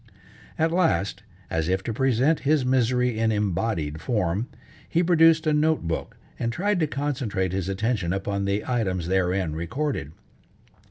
At last, as if to present his misery in embodied form, he produced a note book and tried to concentrate his attention upon the items therein recorded.